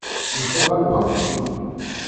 Il faudra la vingtupler.